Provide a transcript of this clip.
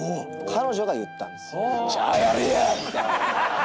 彼女が言ったんです。